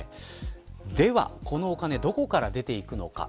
では、このお金どこから出ていくのか。